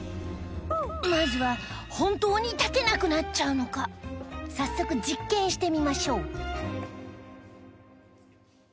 まずは本当に立てなくなっちゃうのか早速実験してみましょう